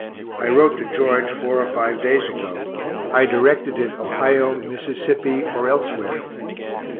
I wrote to George four or five days ago I directed it Ohio, Mississippi, or elsewhere.